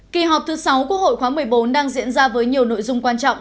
kỳ họp thứ sáu quốc hội khóa một mươi bốn đang diễn ra với nhiều nội dung quan trọng